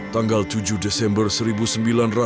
tempat kerasaan tengah belanda